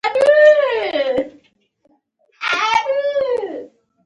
ما نشول کولای چې وژاړم یا چیغې ووهم